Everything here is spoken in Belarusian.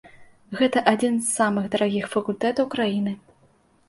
Гэта адзін з самых дарагіх факультэтаў краіны.